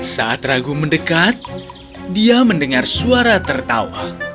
saat ragu mendekat dia mendengar suara tertawa